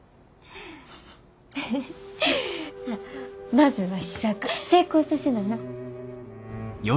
まずは試作成功させなな。